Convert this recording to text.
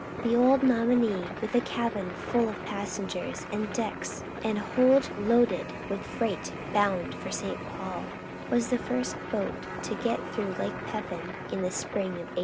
The old Nominee with a cabin full of passengers and decks and hold loaded with freight bound for St. Paul was the first boat to get through Lake Pepin in the spring of 1853.